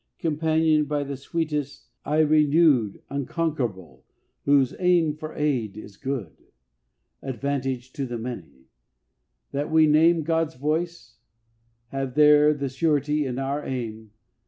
Companioned by the sweetest, ay renewed, Unconquerable, whose aim for aid is Good! Advantage to the Many: that we name God's voice; have there the surety in our aim.